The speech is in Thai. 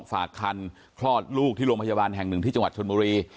ฝากคันคลอดลูกที่โรงพยาบาลแห่งหนึ่งที่จังหวัดชนบุรี